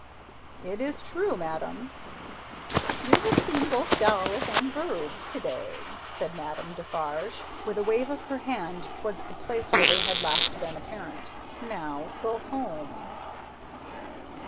"It is true, madame." "You have seen both dolls and birds to day," said Madame Defarge, with a wave of her hand towards the place where they had last been apparent; "now, go home!"